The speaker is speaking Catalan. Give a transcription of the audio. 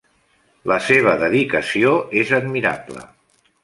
La seva dedicació és admirable.